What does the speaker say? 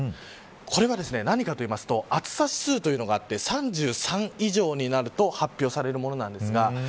これは何かといいますと暑さ指数というものがありまして３３以上になると発表されるものです。